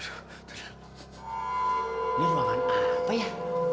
ini ruangan apa ya